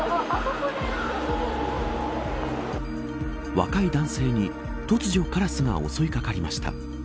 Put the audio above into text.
若い男性に、突如カラスが襲い掛かりました。